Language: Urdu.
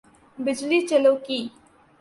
بجلی چالو کی